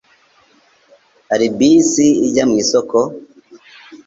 Hari bisi ijya mu isoko?